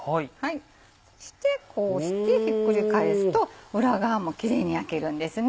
そしてこうしてひっくり返すと裏側もキレイに焼けるんですね。